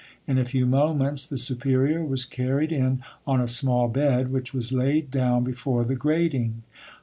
In a few moments the superior was carried in on a small bed, which was laid down before the grating.